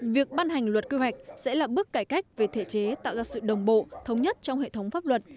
việc ban hành luật kêu hoạch sẽ là bước cải cách về thể chế tạo ra sự đồng bộ thống nhất trong hệ thống pháp luật